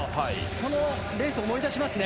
そのレースを思い出しますね。